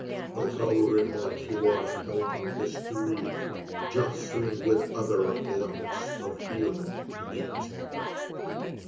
Oh, how remote he walked along the street, Jostling with other lumps of human meat